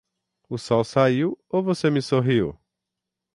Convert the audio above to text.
O sol saiu ou você me sorriu?